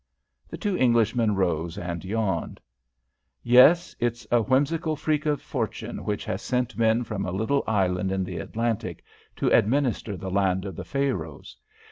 The two Englishmen rose and yawned. "Yes, it's a whimsical freak of fortune which has sent men from a little island in the Atlantic to administer the land of the Pharaohs.